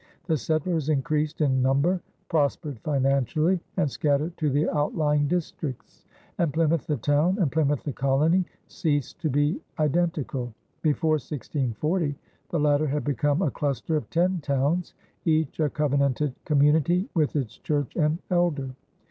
The settlers increased in number, prospered financially, and scattered to the outlying districts; and Plymouth the town and Plymouth the colony ceased to be identical. Before 1640, the latter had become a cluster of ten towns, each a covenanted community with its church and elder.